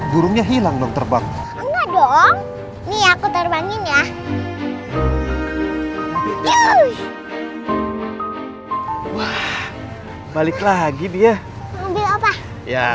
burungnya udah masuk nih di kandangnya